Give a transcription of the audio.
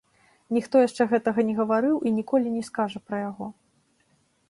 Ніхто яшчэ гэтага не гаварыў і ніколі не скажа пра яго.